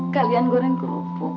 kalian goreng kerupuk